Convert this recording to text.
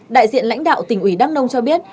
đại diện lãnh đạo tỉnh ủy đắk nông cho biết